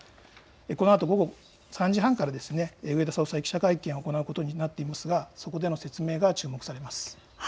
このあと午後３時半から植田総裁、記者会見を行うことになっていますがそこでの説明が注目されます。